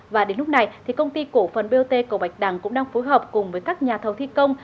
và đến lúc này thì công ty cổ phần bot cầu bạch đằng cũng đang phối hợp cùng với các nhà thầu thi công